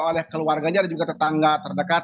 oleh keluarganya dan juga tetangga terdekat